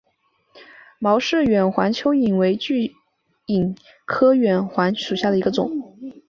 毛氏远环蚓为巨蚓科远环蚓属下的一个种。